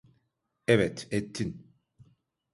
Evet, ettin.